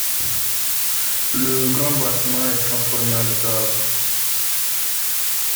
Le grand bâtiment est transformé en étable.